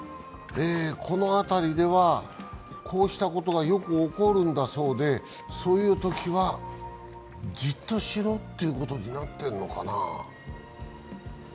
この辺りでは、こうしたことがよく起こるんだそうでそういうときはじっとしろっていうことになってんのかな？